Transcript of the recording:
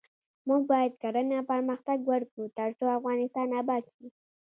موږ باید کرنه پرمختګ ورکړو ، ترڅو افغانستان اباد شي.